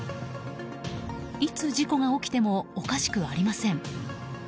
いつ事故が起きてもおかしくありません。